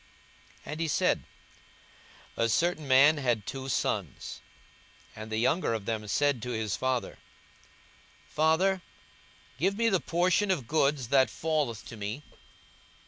42:015:011 And he said, A certain man had two sons: 42:015:012 And the younger of them said to his father, Father, give me the portion of goods that falleth to me.